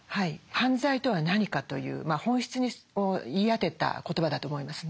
「犯罪とは何か」という本質を言い当てた言葉だと思いますね。